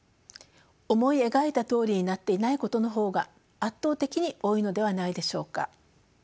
思い描いたとおりになっていないことの方が圧倒的に多いのではないでしょうか。